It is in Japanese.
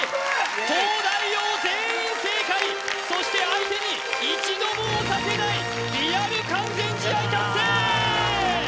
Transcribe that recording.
東大王全員正解そして相手に一度も押させないリアル完全試合達成！